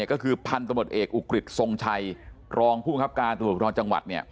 ก็คือพันธ์ตำรวจเอกอุกฤษทรงชัยรองผู้คับการภูทรจังหวัด